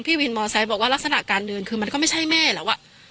วินมอไซค์บอกว่าลักษณะการเดินคือมันก็ไม่ใช่แม่แล้วอ่ะ